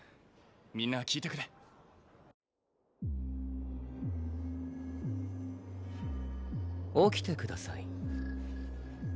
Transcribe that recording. みんな聞いてくれ起きてください